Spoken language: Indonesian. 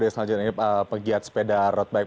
desen ini pegiat sepeda road bike